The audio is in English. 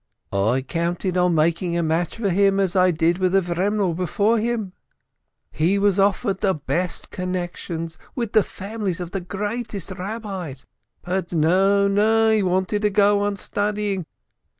"I counted on making a match for him, as I did with Avremel before him. He was offered the best connections, with the families of the greatest Eabbis. But, no — no — he wanted to go on studying.